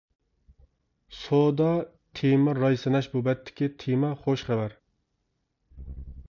سودا تېما راي سىناش بۇ بەتتىكى تېما: خوش خەۋەر!